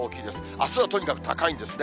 あすはとにかく高いんですね。